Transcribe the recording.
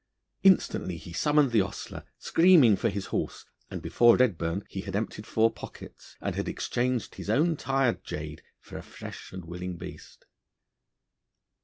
Instantly he summoned the ostler, screaming for his horse, and before Redburn he had emptied four pockets, and had exchanged his own tired jade for a fresh and willing beast.